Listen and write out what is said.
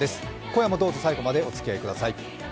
今夜もどうぞ最後までおつきあいください。